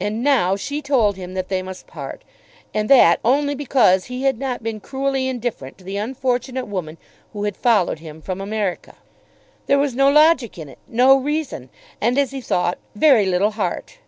And now she told him that they must part, and that only because he had not been cruelly indifferent to the unfortunate woman who had followed him from America. There was no logic in it, no reason, and, as he thought, very little heart.